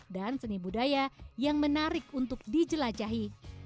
dan seni budaya yang menarik untuk dijelajahi